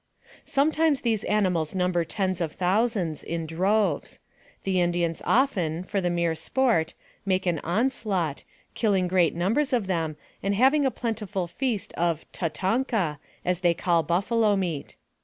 Sometimes these animals number tens of thousands, in droves. The Indians often, for the mere sport, make an onslaught, killing great numbers of them, and having a plentiful feast of " ta tonka," as they call buffalo meat.